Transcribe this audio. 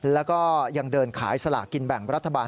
แล้วก็ยังเดินขายสลากินแบ่งรัฐบาล